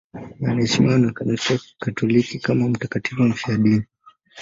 Anaheshimiwa na Kanisa Katoliki kama mtakatifu mfiadini.